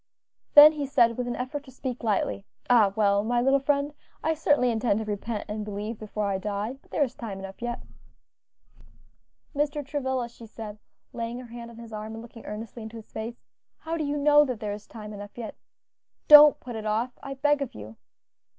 Then he said, with an effort to speak lightly. "Ah, well, my little friend, I certainly intend to repent and believe before I die, but there is time enough yet." "Mr. Travilla," she said, laying her hand on his arm and looking earnestly into his face, "how do you know that there is time enough yet? don't put it off, I beg of you."